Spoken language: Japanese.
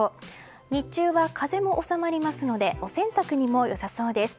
日中は風も収まりますのでお洗濯にも良さそうです。